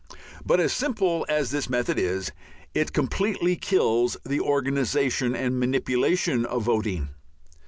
But simple as this method is, it completely kills the organization and manipulation of voting.